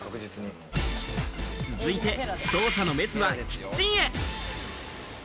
続いて捜査のメスはキッチンへ。